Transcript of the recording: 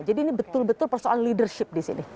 jadi ini betul betul persoalan leadership di sini